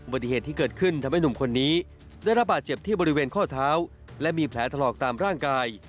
ปฏิเหตุที่เกิดขึ้นทำให้หนุ่มคนนี้ได้รับบาดเจ็บที่บริเวณข้อเท้าและมีแผลถลอกตามร่างกาย